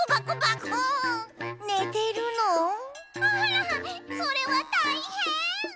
あらそれはたいへん！